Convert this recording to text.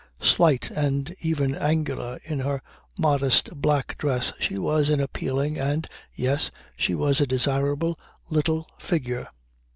Slight and even angular in her modest black dress she was an appealing and yes she was a desirable little figure.